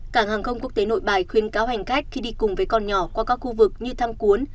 cảng hàng không quốc tế nội bài khuyên cáo hành khách khi đi cùng với con nhỏ qua các khu vực như tham cuốn